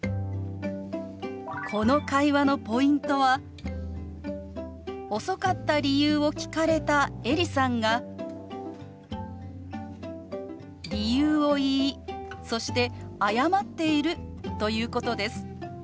この会話のポイントは遅かった理由を聞かれたエリさんが理由を言いそして謝っているということです。